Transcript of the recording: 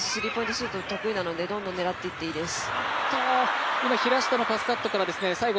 シュート得意なのでどんどん狙っていっていいです。